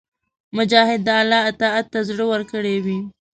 مجاهد د الله اطاعت ته زړه ورکړی وي.